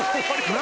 何？